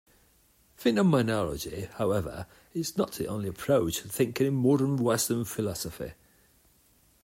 Phenomenology, however, is not the only approach to thinking in modern Western philosophy.